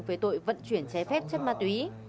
về tội vận chuyển chế phép chất ma túy